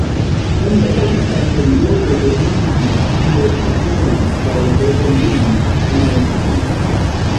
En la lasta periodo de Han-dinastio aperis kaj evoluis Kai-stilo.